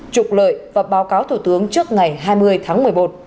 trục lợi và báo cáo thủ tướng trước ngày hai mươi tháng một mươi một